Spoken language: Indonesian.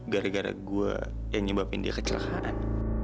gara gara gue yang nyebabin dia kecelakaan